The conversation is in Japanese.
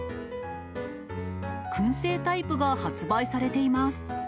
くん製タイプが発売されています。